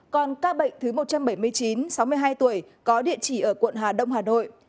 còn ca bệnh thứ một trăm bảy mươi chín sáu mươi hai tuổi có địa chỉ ở quận hà đông hà nội